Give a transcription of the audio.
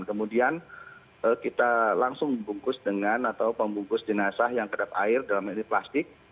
kemudian kita langsung membungkus dengan atau pembungkus jenazah yang kedap air dalam ini plastik